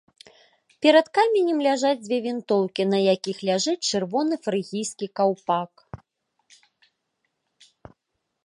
Перад каменем ляжаць дзве вінтоўкі, на якіх ляжыць чырвоны фрыгійскі каўпак.